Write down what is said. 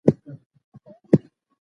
هغه له پوښتنې وروسته فکر وکړ.